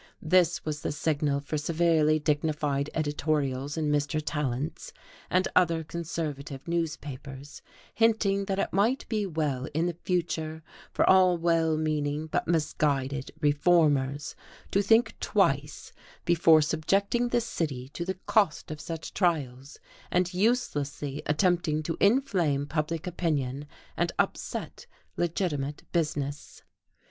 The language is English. This was the signal for severely dignified editorials in Mr. Tallant's and other conservative newspapers, hinting that it might be well in the future for all well meaning but misguided reformers to think twice before subjecting the city to the cost of such trials, and uselessly attempting to inflame public opinion and upset legitimate business.